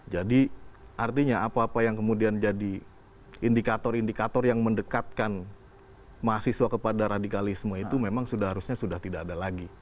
jadi artinya apa apa yang kemudian jadi indikator indikator yang mendekatkan mahasiswa kepada radikalisme itu memang harusnya sudah tidak ada lagi